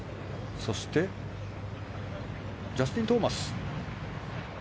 そしてジャスティン・トーマス。